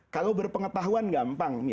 kalau berpengetahuan gampang